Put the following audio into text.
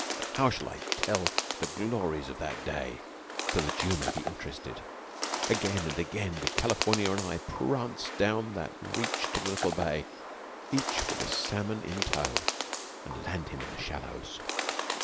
How shall I tell the glories of that day so that you may be interested? Again and again did California and I prance down that reach to the little bay, each with a salmon in tow, and land him in the shallows.